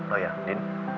oh ya din